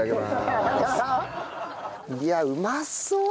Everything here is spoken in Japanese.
いやうまそう！